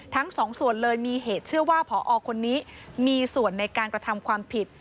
ทั้งสองส่วนเลยมีเหตุเชื่อว่าพอคนนี้มีส่วนในการกระทำความผิด